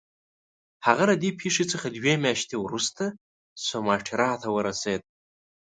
هغه له دې پیښې څخه دوې میاشتې وروسته سوماټرا ته ورسېد.